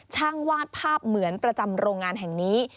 วาดภาพเหมือนประจำโรงงานแห่งนี้